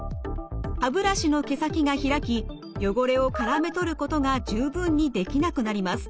歯ブラシの毛先が開き汚れをからめ取ることが十分にできなくなります。